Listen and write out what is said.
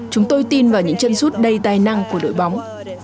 chúng tôi tin vào những chân rút đầy tài năng của đội bóng